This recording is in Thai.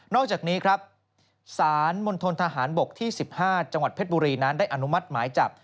อกจากนี้ครับสารมณฑนทหารบกที่๑๕จังหวัดเพชรบุรีนั้นได้อนุมัติหมายจับ